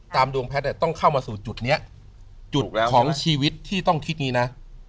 ดวงแพทย์ต้องเข้ามาสู่จุดนี้จุดแล้วของชีวิตที่ต้องคิดนี้นะ